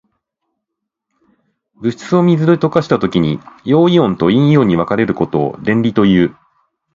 物質を水に溶かしたときに、陽イオンと陰イオンに分かれることを電離という。